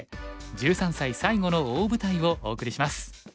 １３歳最後の大舞台」をお送りします。